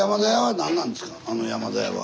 あの山田屋は。